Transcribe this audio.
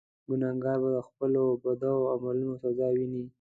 ګناهکار به د خپلو بدو اعمالو سزا ویني.